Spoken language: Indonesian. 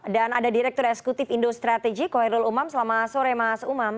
dan ada direktur eksekutif indo strategy kohirul umam selamat sore mas umam